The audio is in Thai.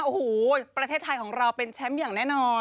โอ้โหประเทศไทยของเราเป็นแชมป์อย่างแน่นอน